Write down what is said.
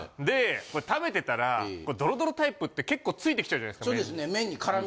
で食べてたらどろどろタイプって結構ついてきちゃうじゃないですか。